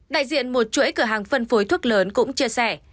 đại diện một chuỗi cửa hàng phân phối thuốc lớn cũng chia sẻ